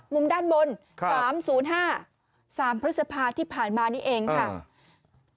มุมด้านบน๓๐๕สามพฤษภาที่ผ่านมานี่เองค่ะค่ะครับ